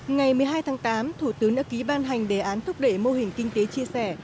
ngày một mươi hai tháng tám thủ tướng đã ký ban hành đề án thúc đẩy mô hình kinh tế chia sẻ